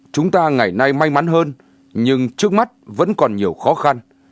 chúng ta ngày nay may mắn hơn nhưng trước mắt vẫn còn nhiều khó khăn